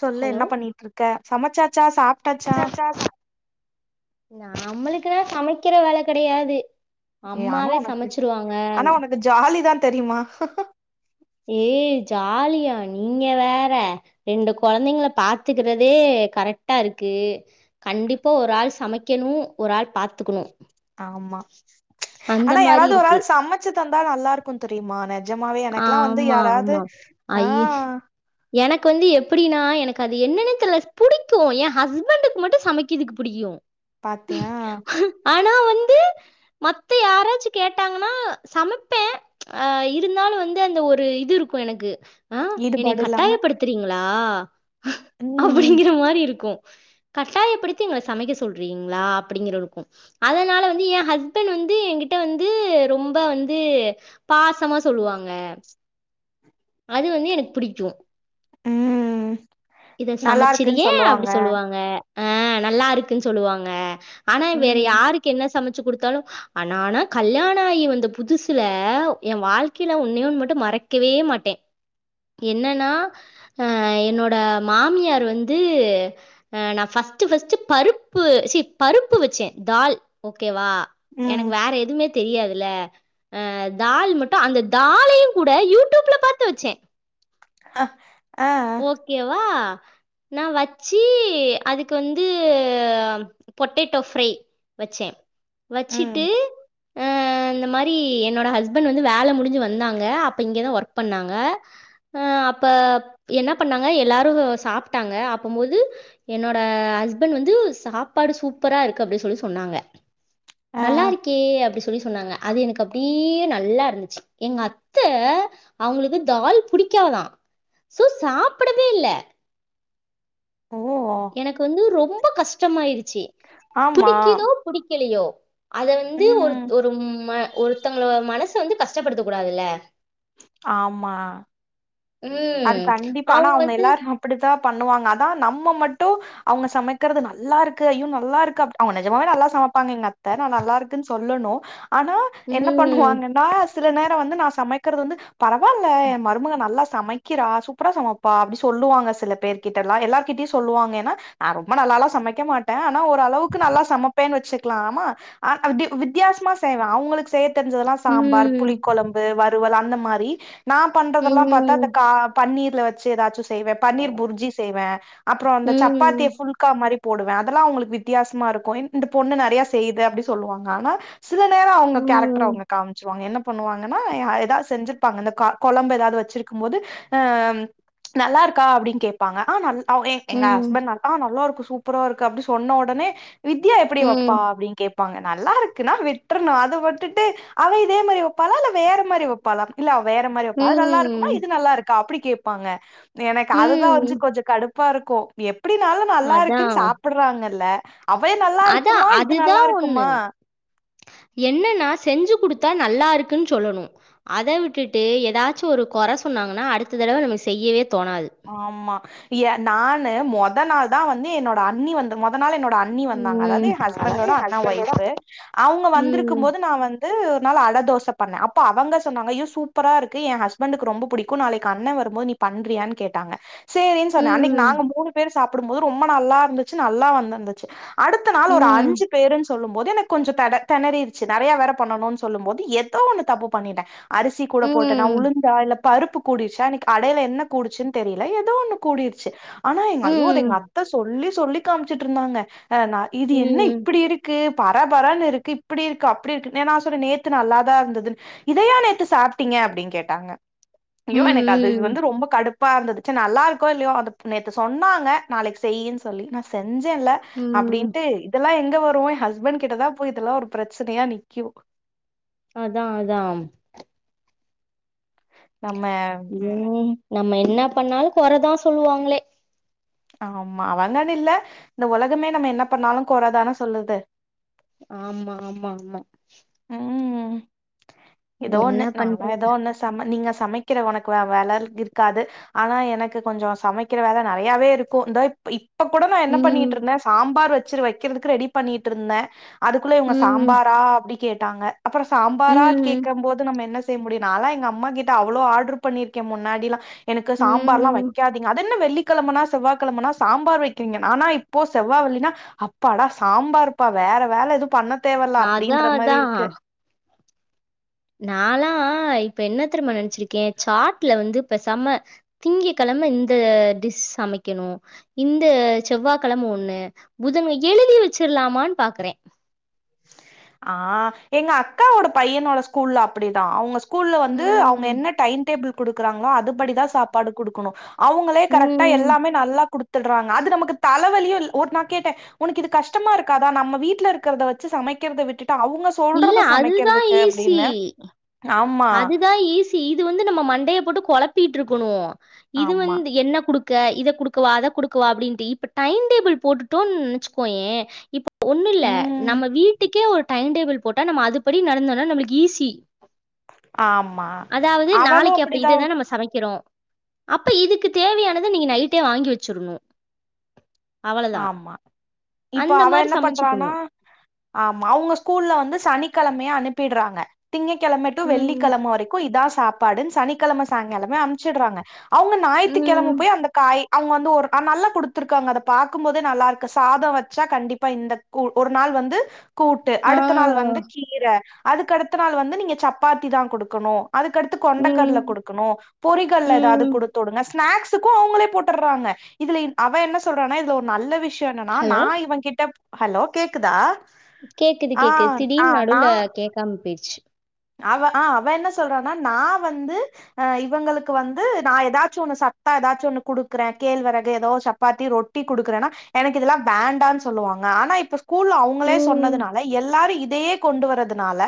சொல்லு ஹலோ என்ன பண்ணிட்ருக்க சமச்சாச்சா சாப்ட்டாச்சா நம்மளுக்குல்லா சமைக்கிற வேல கெடயாது ஏ ஆனா உனக்கு ஆனா உனக்கு ஜாலிதா தெரிமா ஏய் ஜாலியா நீங்க வேற ரெண்டு கொழந்தைங்கல பாத்துக்கறதே ஏ கரெக்டா இருக்கு கண்டிப்பா ஒரு ஆள் சமைக்கணூ ஒரு ஆள் பாத்துக்கணூ ஆமா ஆனா மாரி யாராவது ஒரு இருக்கு ஆள் சமைச்சுதந்தா நல்லா இருக்கும் தெரியுமா நெ ஜமாவே எனக்கெல்லா வந்து ஆமா யாராவது ஆமா ஆஹ் இப்ப வந்து எப்டின்னா எனக்கு அது என்னென்னேத் தெர்ல புடிக்கு எ ஹஸ்பண்டக்கு மட்டு சமைக்கறதுக்கு புடிக்கு பாத்தியா ஆனா வந் து மத்த யாராச்சு கேட்டாங்கன்னா சமைப்பே அ இத் தினாளு வந்து அந்த ஒரு இது இருக்கு எனக்கு ஆ என்னய ஈடுபாடு இல்லாம கட்டாயப்படுத்துறீங்களா ம் அப்டிங்கற மாரி இருக்கு கட்டாயப்படுத்தி எங்களை சமைக்க சொல்றீங்களா அப்டிங்கற இருக்கு அதனால வந்து எ ஹஸ்பண்ட் வந்து என்கிட்ட வந்து ரொம்ப வந்து பாசமா தொலுவாங்க அது வந்து எனக்கு புடிக்கு ம் இத நல்லா இருக்குன்னு சமைச்சிருய்யா அப்டி சொல்லுவாங்க ஆ நல்லா இருக்குன்னு சொல்லுவாங்க ஆனா வேற ம் யாருக்கு என்ன சமைச் சு குடுத்தாலு ஆனனா கல்யாண ஆகி வந்த புதுசுல எ வாழ்க் கிலா ஒன்னே ஒன்னு மட்டு மறக்கவே மாட்டே என்னன்னா அ என்னோட மாமியார் வந்து அ நான் ஃபஸ் ஸ்ட் ஃப்ஸ்ட் பருப்பு ச்சே பருப்பு வச்சே தால் ஓகேவா ம் எனக்கு வேற எதுவுமே தெரியாதுல்ல அ தால் மட் த அந்த தாலையு கூட யூடியூப்ல பாத்து வெச்சே அ ஆ ஓகேவா நா வச்சு அதுக்கு வந்து பொட்டேட்டோ ஃப்ரை வச்சே ம் வச்சுட்டு அ இந்த மாரி என்னோடஹஸ்பண்ட் வந்து வேலை முடிஞ்சு வந்தாங்க அப்ப இங்கதா ஒர்க் பண்ணாங்க ஆ அப்ப என்னாப் பண்ணாங்க எல்லாரு சாப்பிட்டாங்க அப்ப போது என்னோட ஹஸ்பண்ட் வந்து சாப்பா டு சூப்பரா இருக்கு அப்டின்னு சொல்லி சொன்னாங்க ஆ நல்லா இருக்கே அப்டி சொல்லி சொன்னாங்க அது எனக்கு அப்டியே நல்லா இருந்துச்சு எங்க அத்தை அவங்களுக்கு தால் புடிக்காதா சோ சாப்பிடவே இல்ல ஓ எனக்கு வந்து ரொம்ப கஷ்டமாயிருச்சி ஆமா புடிக்குதோ புடிக்கலையோ அத வந்து ஒரு ம் ஒரு அ ஒருத்தங்களோ மனச வந்து கஷ்டப்படுத்த கூடாதுல்ல ஆமா அது ம் கண்டிப்பா ஆனா அவங்க எல்லாரு அப்டி தா பண்ணுவாங்க அதா நம்ம மட்டு அவுங்க சமைக்கறது நல்லா இருக்கு ஐயோ நல்லா இருக்கு அப் அவங்க நெஜமாவே நல் ல சமப்பாங்க எங்க அத்தை நா நல்லா இருக்குன்னு சொல்லணு ஆனா என்ன ம் பண்ணுவாங்கன்னா சில நே வந்து நா சமைக்கிறது வந்து பரவால்ல எ மருமக நல்லா சமைக் கிற சூப்பரா சமப்பா அப்டி சொல்லுவாங்க சில பேர்கிட்ட எல்லா எல்லார்கிட்டயு சொல்லுவாங்க ஏன்னா நா ரொம்ப நல்லாலா சம க்க மாட்டே நா ஓரளவுக்கு நல்லா சமப்பேன்னு வச்சுக்கலாமா ஆ வித் வித்தியாசமா செய்வே அவங்களுக்கு செய்ய தெரிஞ்சதெல்லாம் சாம்பார் ம் புளிக்கொழம்பு வறுவல் அந்த மாதிரி நா பண்றதெல்லா பாத்தா அ ம் பன்னீர்ல வச்சு ஏதாச்சு செய்வே பன்னீர் புரிஜி செய்வே அப்புறோ ம் அந்த சப்பாத்திய ம் ஃபுல்கா மாரி போடுவே அதெல்லா அவங்களுக்கு வித்தியாசமா இருக்கு இந்த பொண்ணு நெறைய செய்யுது அப்டி சொல்லுவாங்க ஆனா சில நேரோ அவுங்க கேரக்டர் அவங்க காமிச்சுருவாங்க என்ன பண்ணுவாங்கன்னா எ ஏதாது செஞ்சிருப்பாங்க இந்த க கொழம்பு ஏதாது வச்சிருக்க கும் போது அ நல்லா இருக்கா அப்டின்னு கேட்பாங்க ஆ் நல் அவ எங் எங்க ம் ஹஸ்பண்ட் நல் ஆ நல்லா இருக்கு சூப்பரா இருக்கு அப்டின்னு சொன்ன உடனே வித்யா எப்டி வப்ப ம் அப்டின்னு கேப் ப்பாங்க நல்லா இருக்குன்னா விட்ரணு அத விட்டுட்டு அவ இதே மாரி வெப்பாளா இல்ல வேற மாரி வெப்பாளா இல்ல வேற மாரி வப்ப அது நல்லா இருக்குமா ம் இது நல்லா இருக்கா அப்டி கேப்பாங்க எனக்கு அதுதா வஞ்சு ம் கொஞ்ச கடுப் பா இருக்கு எப்டினாலு நல்லா அதா இருக்குன்னு சாப்பிடறாங்கல்ல அவெ அதா நல்லாருக்குமா இது நல்லாருக்குமா என்னனா செஞ்சி குடுத்தா நல்லா இருக்குன் சொல்லனு அத விட்டுட்டு எதாச்சு ஒரு கொற சொன்னாங்கனா அடுத்த தடவ நம்ம செய்யவே தோணாது ஆமா எ நானு மொத நாள் தா வந்து என்னோட அண்ணி வந்த மொத நாளு என்னோட அண்ணி வந்தாங்க அதாவது ம் எ ஹஸ்பண்டோட அண்ணா ஒய்பு அவுங்க வந்திருக்கு ம் போது நா வந்து நாள் அட தோச பண்ணே அப்ப அவுங்க சொன்னாங்கயு சூப்பரா இருக்கு எ ஹஸ்பண்டுக்கு ரொம்ப புடிக்கு நாளைக்கு அண்ணே வருபோது நீ பண்றியான் கேட் டாங்க செரின் சொன்னே அன்னிக்கு ம் நாங்க மூணு பேரு சாப்டு போது ரொம்ப நல்லா இருந்துச்சி நல்லா வந்திருந்துச்சு அடுத்த நாள் ஒரு ம் அஞ்சு பேருன்ஸ் சொல்லு போது எனக்கு கொஞ்ச தெட தெனரிருச்சி நெறைய வேற பண்ணணுன் சொல்லும் போது ஏதோ ஒண்ணு தப்பு பண்ணிட்டே அரிசி கூட போட்டேனா ம் உளுந்தா இல்ல பருப்பு கூடிருச்சா அன்னிக் அடையில என்ன கூடிச்சின் தெரியில ஏதோ ஒண்ணு கூடிருச்சி ஆனா எங்க ஐயோ அத ம். அத்த சொல்லி சொல்லி காம்ச்சிட்ருந்தாங்க அ நா இது ம். என்ன ம். இப்டி இருக்கு பர பரன் இருக்கு இப்டி இருக்கு அப்டி இருக்கு நா சொன்ன நேத்து நல்லாதா இருந்ததுன் இதையா நேத்து சாப்ட்டீங்க எ அப்டின் கேட்டாங்க ஐயோ எனக்கு அது வந்து ம். ரொம்ப கடுப் இப்ப அந்த டிஷு நல்லாருக்கோ இல்லியோ அந்த ப் நேத்து சொன்னாங்க நாளைக்கு செய்யின் சொல்லி நா செ செஞ்சல்ல ம். அப்டின்ட்டு இதெல்லா எ து வருவோ எ ஹஸ்பண் கிட்ட தா போய் இதெல்லா ஒரு ப்ரச்சனையா நிக்கு அதா அதாம் நம்ம ம். நம்ம என்ன பண்ணாலு கொறதா சொல்வாங்களே ஆமா அவங்கனில்ல இந்த ஒலகமே நம்ம என்ன பண்ணாலு கொற தான சொல்லுது ஆமா ஆமா ஆமா ம் ஏதோ என்ன ஒண்ணு நாங்ளா பண்றது? ஏதோ ஒண்ணு சம நீங்க சமைக்கிற உனக்கு வேற வேல இருக்காது ஆனா எனக்கு கொஞ்ச சமைக்கிற வேல நெறையாவே இருக்கு இந்த இப் இப்ப கூட நா என்ன ம். பண்ணிட்டு இருந்தே சாம்பார் வச்சிரு வக்கிறதுக்கு ரெடி பண்ணிட்ருந்தே அதுக்குள்ள இவுங்க ம். சாம்பாரா அப்டி கேட்டாங்க அப்பறோ சாம்பாரா ம். கேக்க போது நம்ம என்ன செய்ய முடியு நாலா எங்க அம்மா கிட்ட அவ்ளோ ஆடரு பண்ணிருக்கே முன்னாடிலா எனக்கு சாம்பார்லா ம். வெக்காதீங்க அதென்ன வெள்ளி கெழமனா செவ்வா கெழமனா சாம்பார் வெக்கிறீங்க ஆனா இப்போ செவ்வா வெள்ளினா அப்பாடா சாம்பார் பா வேற வேல எது பண்ண தேவல்ல அதான் அப்டின்ற மாரி இருக்கு நாலா இப்ப என்ன தெரிமா நெனச்சிருக்கே சாட்ல வந்து பேசாம திங்ககெழ ம இந்த டிஸ் சமைக்கனு இந்த செவ்வாகெழம ஒண்ணு புதம எழுதி தி வச்சிர்லாமான் பாக்கறே ஆ எங்க அக்காவோட பையனோட ஸ்கூல்ல அப்டிதா அவுங்க ஸ் கூல்ல வந்து அவுங்க ம். என்ன டைடேபிள் குடுக்குறாங்ளோ அதுபடிதா சாப்பாடு குடுக்கனு அவுங்களே கரெக்டா ம். எல்லாமே நல்லா குடுத் துட்றாங்க அது நமக்கு தலவலியு இல் ஊட்னா கேட்ட உனக்கு இது கஷ்டமா இருக்காதா நம்ம வீட்ல இருக்கிறத வ ச்சி சமைக்கரத விட்டுட்டு அவுங்க இல்ல சொல்றத சமைக்கிறதுக்கு அப்டின்ன அதுதா ஈசி இது வந்து நம்ம மண்டைய போட்டு கொழப்பிட்ருக்கனு இது ஆமா வந்து என்ன குடுக் க இத குடுக்கவா அத குடுக்கவா அப்டின்ட்டு இப்ப டைடேபிள் போட்டுட்டோன் நெனச்சுக்கோயே இப்ப ஒன்னில்ல ம் நம்ம வீட்டுக்கே ஒரு டை டேபிள் போட்டா நம்ம அதுபடி நடந்தோனா நம்முளுக்கு ஈஸி ஆமா அதாவது அவளு நாளைக்கு அப்ப அப்டிதா இததா நம்ம சமைக்கிறோ அப்ப இதுக்கு தேவையானத நீங்க நைட்டே வாங்கி வச்சிருனு அவ்வளதா ஆமா இப்ப அவ என்ன பண்றானா ஆமா அவுங்க ஸ்கூல்ல வந்து சனிக்கெழ மே அனுப்பிட்றாங்க திங்க கெழம டு ம். வெள்ளிக்கெழம வரைக்கு இதா சாப்பாடுன் சனிக்கெழம சாயங்காலமே அம்ச்சிட்றாங்க அவுங்க ஞாயித்துக்கெழம ம். போய் அந்த காய் அவுங்க வந்து ஒரு அ நல்லா குடுத்துருக்காங்க அத பாக்கு போதே நல்லாருக்கு சாதோ வச்சா கண்டிப்பா இந்த கு ஒரு நாள் வந்து கூட்டு ஆ. அடுத்த நாள் வந்து கீர அதுக்கடுத்த நாள் வந்து நீங்க சப்பாத்தி தா குடுக்கணு அதுக்கடுத்து கொண்டக்கட்ல ம். குடுக்கணு பொறிகல்ல எதாது ம். குடுத்து வுடுங்க ஸ்நாக்ஸுக்கு அவுங்களே போட்டுற்றாங்க இதுல இன் அவ என்ன சொல்றானா இதுல ஒரு நல்ல விஷ்யோ யோ என்னனா ஹலோ? நா இவன் கிட்ட ஹலோ கேக்குதா கேக்குது ஆ கேக்குது ஆ திடீர்னு நடுல நான் கேக்காம போயிடுச்சு அவ ஆ அவ என்ன சொல்றானா நா வந்து அ இவங்களுக்கு வந்து நா எதாச்சும் ஒண்ணு ச த்தா எதாச்சும் ஒன்னு குடுக்குறே கேழ்வெறகு எதோ ஒரு சப்பாத்தி ரொட்டி குடுக்குறேன்னா எனக்கு இதல்லா வேண்டான்னு சொல்லுவாங்க ஆனா இப்ப ஸ்கூல் அவுங்களே ம் சொன்னதுனால எல்லாரு இதையே கொண்டு வரதுனால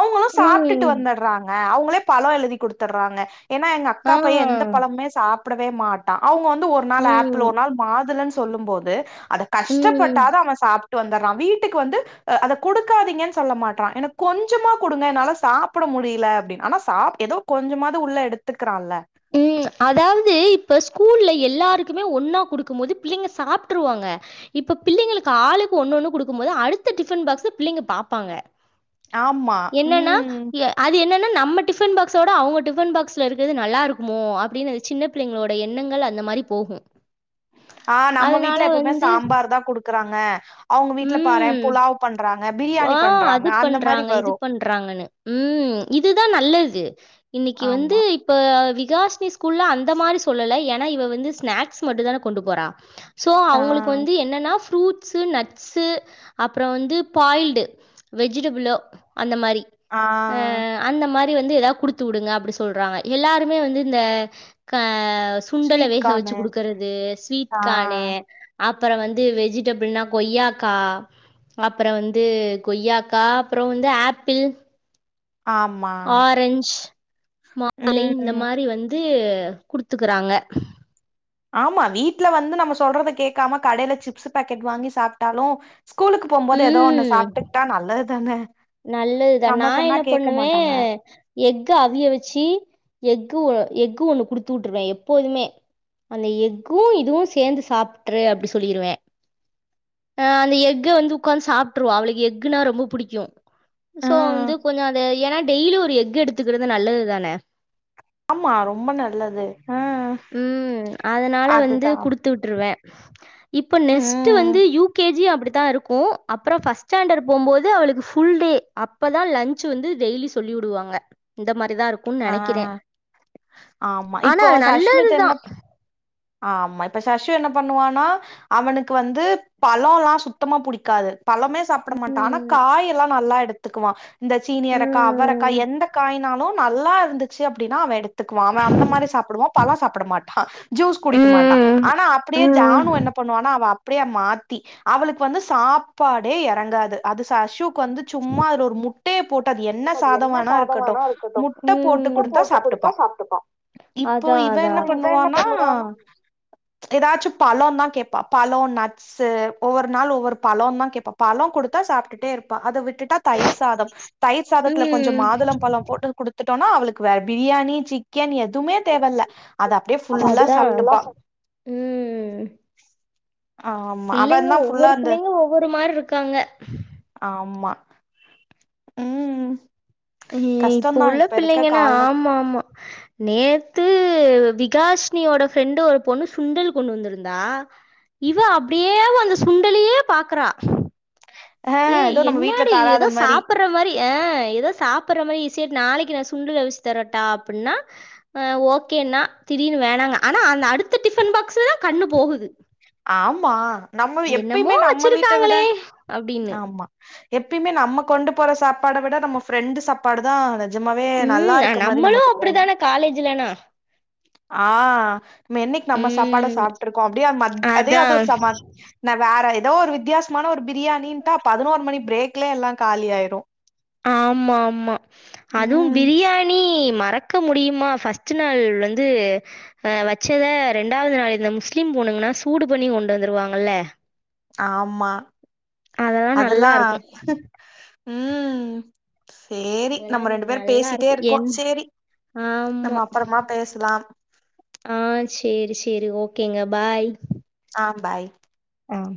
அவுங்கோ சாப்டுட்டு ம் வந்தர்றாங்க அவுங்களே பழோ எழுதி குடுத்துர்றாங்க ஏன்னா எங்க அக்கா ஆ பையே எந்த பழம்மே சாப்டவே மாட்டா அவுங்க வந்து ஒரு நாள் ஆப்பிள் ம் ஒரு நாள் மாதுளன் சொல்லும் போது அத ம் கஷ்டப்பட்டாவது அவன் சாப் ட்டு வந்துர்றா வீட்டுக்கு வந்து அத குடுக்காதீங்கன்னு சொல்ல மாட்றா எனக் கொஞ்சமா குடுங்க என்னால சாப்புட முடியல அப்டின் ஆனா சாப் எதோ கொஞ்சமாது உள்ள எடுத்துக் ம் அதாவது இப்ப ஸ்கூல்லயு எல்லாருக்குமே ஒன்னா குடுக்கும் போது பிள்ளங்க சாப்புட்ருவாங்க இப்ப பிள்ளைங்களுக்கு ஆளுக்கு ஒன்னொன்னு குடுக்கும் போ து அடுத்த டிபன் பாக்ஸ பிள்ளைங்க பாப்பாங்க ஆமா என்னன்னா ம் ய அது என்ன ன்னா நம்ம டிஃபன் பாக்ஸோட அவுங்க டிஃபன் பாக்ஸ்ல இருக்குறது நல்லா இருக் க்குமோ அப்டின்னு அந்த சின்ன பிள்ளைங்களோட எண்ணங்கள் அந்த மாரி போகும் ஆ நம்ம அதனால வீட்டுல எப்பேயுமே வந்து சாம்பார் தா குடுக்குறாங்க அவுங்க வீட்டுல பாறே ம் புலாவ் பண்றாங்க ஆ பிரியாணி பண்றாங்க அது அந்த மாரி பண்றாங்க, இது வரு பண்றாங்கன்னு. ம் இதுதா நல்லது இன்னைக்கி வந்து ஆமா இப்ப வி காஷினி ஸ்கூல்ல அந்த மாரி சொல்லல ஏன்னா இவ வந்து ஸ்நாக்ஸ் மட்டுந்தான கொண்டு போறா ஸோ ஆ அவுங்களுக்கு வந்து என்னன்னா ஃப்ரூட்ஸு நட் ட்ஸு அப்பறோ வந்து பாயில்ட்டு வெஜிடபுளோ அந்த மாரி ஆ ஆ ப்டி வந்து எதாவது குடுத்து வுடுங்க அப்டி சொல்றாங்க எல்லாருமே வந்து இந்த க ஆ சுண்டல ஸ்வீட் வேக வச்சு கார்னு குடுக்கறது ஸ்வீட் ஆ கான்னு அப்பறோ வந்து வெஜுடபுல்னா கொய்யாக் க்கா அப்பறோ வந்து கொய்யாக்கா அப்றோ வந்து ஆப்பிள் ஆமா ஆரஞ் மாதுளை இந்த ம் மாரி வந்து கு குடுத்துக்குறாங்க ஆமா வீட்ல வந்து நம்ம சொல்றத கேக்காம கடையில சிப்ஸு பாக்கெட் வாங்கி சாப்ட்டாலு ஸ்கூலுக்கு போம்போது ஏதோ ஒண்ணு ம் சாப்புட்டுக்ட்டா நல்லதுதான நல்லதுதா நா என்ன பண்ணுவே மாட்டாங்க எஃகு அவிய வச்சு எக் கு ஓ எஃக் ஒண்ணு குடுத்து வுட்டுருவே எப்போதுமே அந்த எஃக்கு இதுவு சேந்து சாப்ட்ரு அப்டி சொல்லிருவே ஆ அந்த எஃகு வந்து உக்காந்து சாப்ட்ருவா அவளுக்கு எஃக்குனா ரொம்ப புடிக்கும் சோ ஆ வந்து கொஞ்ச அந்த ஏன்னா டெய்லியு ஒரு எஃகு எடுத்துக்குறது நல்லது தான ஆமா ரொம்ப நல்லது ஆ ம் அதுனால வந்து அதுதான். குடுத்து விட்ருவே இப்ப நெஸ்ட் ம். வந்து யூ கே ஜி அப்டித் தா இருக்கு அப்பறோ ஃபர்ஸ்ட் ஸ்டாண்டட் போம்போது அவளுக்கு ஃபுல் டே அப்பதா லஞ்ச் வந்து டெய்லி சொல்லி ந்து உடுவாங்க இந்த மாரி தா இருக்குன் ஆ நெனைக்கிறே ஆனா அதுனால அஷ்மித் என்னப் ஆமா இப்ப சஸ்வி என்ன பண்ணுவான்னா அவனுக்கு வந்து பழோல்லா சுத்தமா புடிக்காது பழமே சாப்ட மாட்டா ஆனா ம். காய்யெல்லா நல்லா எடுத்துக்குவா இந்த சீனியரக்கா அவரக்கா ம். எந்த காய்னாலு நல்லா இருந்துச்சு அப்டின்னா அவெ எடுத் க்குவா அவ அந்த மாரி சாப்புடுவா பழோ சாப்ட மாட்டா ஜூஸ் குடிக்க மாட்டா ம். ஆனா அப்டியே ம். ஜானு என்னப் பண்ணுவான்னா அவ அப்டியே மாத்தி அவளுக்கு வந்து சாப்பாடே எறங்காது அது ஷசுக் க்கு வந்து சும்மா அதுல ஒரு முட்டைய போட்டு அது என்ன சாதமான்னா இருக்கட்டு ம் ம் ம் முட்ட போட்டு குடுத்தா சாப்ட்டுப்பா இப்போ இவ என்ன பண்ணுவான்னா எதாச்சு பழோ தா கேட்பா பழோ நட்ஸு ஒவ்வொரு நாள் ஒவ்வொரு பழோ தா கேப்பா பழோ கொடுத்தா சாப்ட்டுட்டே இருப்பா அத விட் டுட்டா தயிர் சாதம் தயிர் சாதத்துல கொஞ்சோ ம். மாதுள பழம் போட்டு குடுத்துட்டோன்னா அவளுக்கு வேற பிரியாணி சிக்கன் எத் துமே தேவல்ல அத அப்டியே அத ஃபுல்லா அப்படியே அதான். ஃபுல்லா சாப்ட்டுப்பா சாப் ம். ஆமா பிள்ளைங்க அவந்தா ஃபுல்லா ஒவ்வொரு அந்த பிள்ளைங்க ஒவ்வொரு மாரி இருக்காங்க. ஆமா ம் இப்ப கஷ்டம்தான் உள்ள இருக்க பிள்ளைங்கன்னா கால ஆமா ஆமா நேத்து விகாஷினியோட ஃப்ரெண்டு ஒரு பொண்ணு சுண்டல் கொண்டு வந்திருந்தா இவ அப்டியே அந்த சுண்டலயே பாக்குறா ஆ ஏ ஏதோ நம்ம வீட்ல என்னாடி தராத எதோ மாரி சாப்ற மாரி ஆ எதோ சாப்ற மாரி சரி நாளைக்கு நா சுண்டல் அவச்சு தரட்டா அப்டின்னா ஓகேனா திடீர்னு வேணாங்க ஆனா அந்த அடுத்த டிஃபன் பாக்ஸ் தா கண்ணு போகுது ஆமா நம்ம என்னமோ எப்பயுமே நம்ம வீட்ட விட வச்சிருக்காங்களே அப்டின்னு ஆமா எப்பயுமே நம்ம கொண்டு போற சாப்பாட விட நம்ம ஃப்ரெண்டு் சாப்பாடு தா அது நஞ்சமாவே நல்லா ம் இருக்க மாரி நம்மளு நமக்கு தோணு அப்டிதான காலேஜ்லனா ஆ நம்ம என்னக்கி நம்ம சாப்பாட ம் சாப்ட்டு இருக்கோ அப்டியே மத் அதே அதா அது ந வேற எதோ ஒரு வித்தியாசமான ஒரு பிரியாணின்ட்டா பதினோரு மணி பிரேக்லே எல்லா காலி ஆயிரு ஆமா ஆமா அதுவு ம் பிரியாணி மத் மறக்க முடியுமா ஃபஸ்ட்டு நாள் வந்து வச்சத ரெண்டாவது நாள் இந்த முஸ்லிம் பொண் ணு சூடு பண்ணி கொண்டு வந்துருவாங்கல ஆமா அதெல்லா நல்லாருக்கும். ம் சேரி நம்ம அதெல்லாம் ரெண்டு பேரு பேசிட்டே நல்லாருக்கும். இருக்கோ என் சேரி நம்ம ஆமா. அப்புறமா பேசலாம் ஆ சேரி சேரி ஓகேங்க பாய் ஆ பாய் ம்